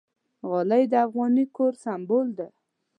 غالۍ د افغاني کور سِمبول ده.